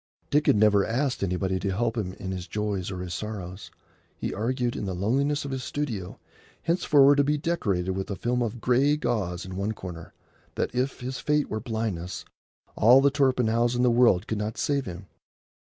Dick had never asked anybody to help him in his joys or his sorrows. He argued, in the loneliness of his studio, henceforward to be decorated with a film of gray gauze in one corner, that, if his fate were blindness, all the Torpenhows in the world could not save him.